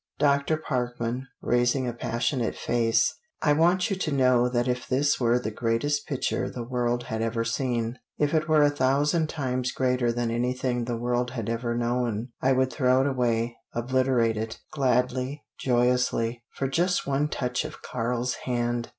"Dr. Parkman," raising a passionate face "I want you to know that if this were the greatest picture the world had ever seen if it were a thousand times greater than anything the world had ever known I would throw it away obliterate it gladly joyously for just one touch of Karl's hand!"